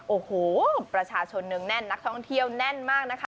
โอ้โหประชาชนเนืองแน่นนักท่องเที่ยวแน่นมากนะคะ